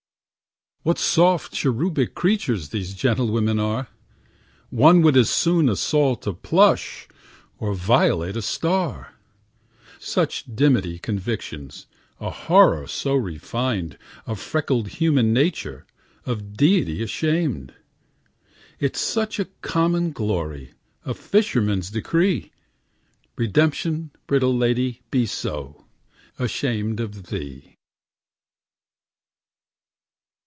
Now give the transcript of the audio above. What soft, cherubic creatures These gentlewomen are! One would as soon assault a plush Or violate a star. Such dimity convictions, A horror so refined Of freckled human nature, Of Deity ashamed, It's such a common glory, A fisherman's degree! Redemption, brittle lady, Be so, ashamed of thee.